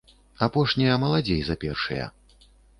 Апошнія маладзей за першыя.